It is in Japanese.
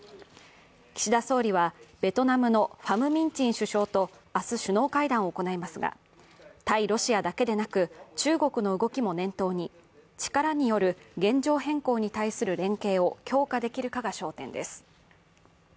岸田総理はベトナムのファム・ミン・チン首相と明日、首脳会談を行いますが、対ロシアだけでなく、中国の動きも念頭に力による現状変更に対する連携を強化できるかが焦点です。